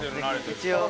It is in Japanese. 一応。